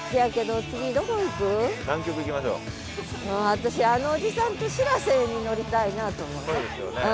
もう私あのおじさんとしらせに乗りたいなと思って。